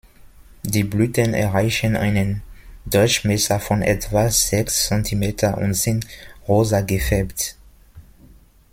Die Blüten erreichen einen Durchmesser von etwa sechs Zentimeter und sind rosa gefärbt.